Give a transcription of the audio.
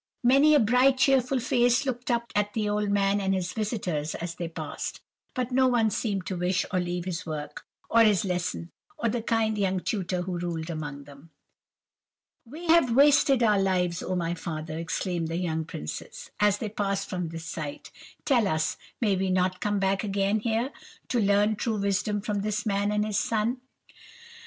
Many a bright, cheerful face looked up at the old man and his visitors as they passed, but no one seemed to wish to leave his work, or his lesson, or the kind young tutor who ruled among them. "'We have wasted our lives, oh my father!' exclaimed the young princes, as they passed from this sight. 'Tell us, may we not come back again here, to learn true wisdom from this man and his son?